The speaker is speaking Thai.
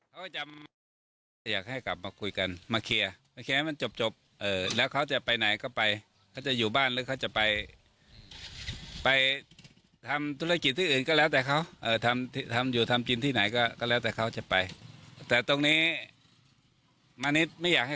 แต่อามานินนะไม่อยากให้เขาไปเพราะว่าเขาเป็นคนดี